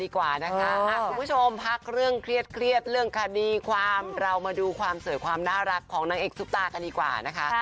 คุณผู้ชมพักเรื่องเครียดเรื่องคดีความเรามาดูความสวยความน่ารักของนางเอกซุปตากันดีกว่านะคะ